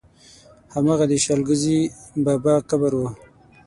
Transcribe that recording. هماغه د شل ګزي بابا قبر و.